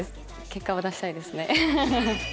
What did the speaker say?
結果は出したいですね。